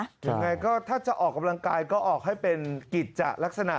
ยังไงก็ถ้าจะออกกำลังกายก็ออกให้เป็นกิจจะลักษณะ